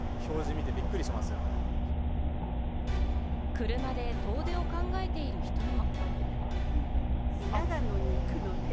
車で遠出を考えている人も。